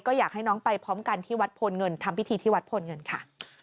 ก็อยากให้น้องไปพร้อมกันที่วัดโพนเงินทำพิธีที่วัดโพนเงินค่ะ